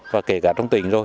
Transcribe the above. và kể cả trong tỉnh rồi